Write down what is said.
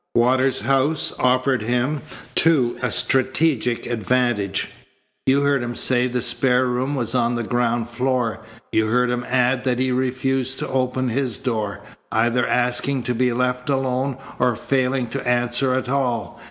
Waters's house offered him, too, a strategic advantage. You heard him say the spare room was on the ground floor. You heard him add that he refused to open his door, either asking to be left alone or failing to answer at all.